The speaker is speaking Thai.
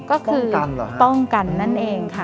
ก็คือป้องกันนั่นเองค่ะ